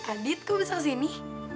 adit kok bisa kesini